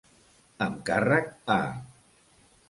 Amb càrrec a.